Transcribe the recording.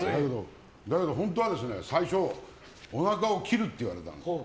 だけど、本当は最初おなかを切るって言われたんです。